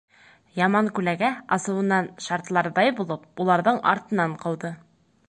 Яман күләгә, асыуынан шартларҙай булып, уларҙың артынан ҡыуҙы.